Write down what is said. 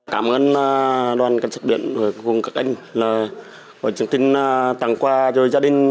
cảm ơn đoàn cảnh sát biển và các anh chương trình tặng quà cho gia đình